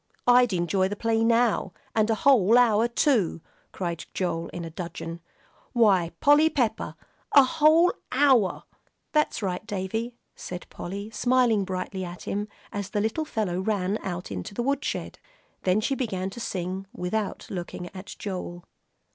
"I'd enjoy the play now. And a whole hour, too!" cried Joel, in a dudgeon. "Why, Polly Pepper! a whole hour!" "That's right, Davie," said Polly, smiling brightly at him, as the little fellow ran out into the woodshed. Then she began to sing, without looking at Joel.